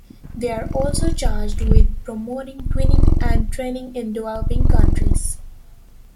They are also charged with promoting twinning and training in developing countries.